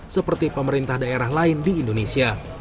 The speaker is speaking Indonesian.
seperti pemerintah daerah lain di indonesia